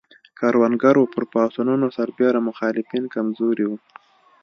کروندګرو پر پاڅونونو سربېره مخالفین کم زوري وو.